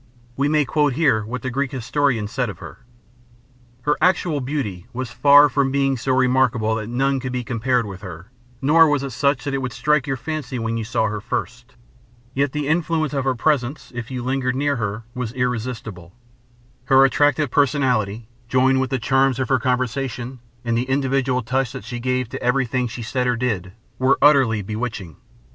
We may quote here what the Greek historian said of her: Her actual beauty was far from being so remarkable that none could be compared with her, nor was it such that it would strike your fancy when you saw her first. Yet the influence of her presence, if you lingered near her, was irresistible. Her attractive personality, joined with the charm of her conversation, and the individual touch that she gave to everything she said or did, were utterly bewitching.